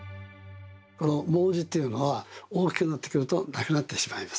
毛茸っていうのは大きくなってくるとなくなってしまいます。